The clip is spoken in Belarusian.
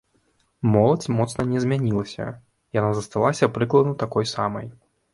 Моладзь моцна не змянілася, яна засталася прыкладна такой самай.